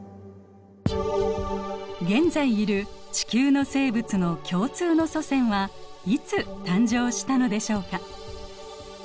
現在いる地球の生物の共通の祖先はいつ誕生したのでしょうか？